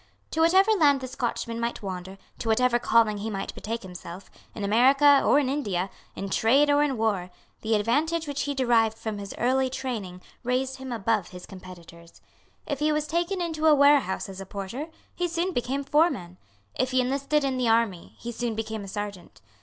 To whatever land the Scotchman might wander, to whatever calling he might betake himself, in America or in India, in trade or in war, the advantage which he derived from his early training raised him above his competitors. If he was taken into a warehouse as a porter, he soon became foreman. If he enlisted in the army, he soon became a serjeant.